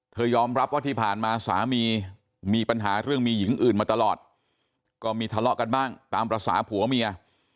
ยอมรับว่าที่ผ่านมาสามีมีปัญหาเรื่องมีหญิงอื่นมาตลอดก็มีทะเลาะกันบ้างตามภาษาผัวเมีย